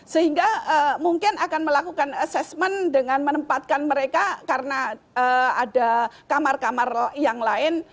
sehingga mungkin akan melakukan assessment dengan menempatkan mereka karena ada kamar kamar yang lain